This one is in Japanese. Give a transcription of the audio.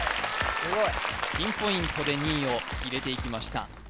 ピンポイントで２位を入れていきました